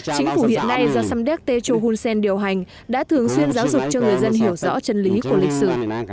chính phủ hiện nay do samdek techo hunsen điều hành đã thường xuyên giáo dục cho người dân hiểu rõ chân lý của lịch sử